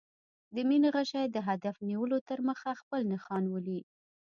د مینې غشی د هدف نیولو تر مخه خپل نښان ولي.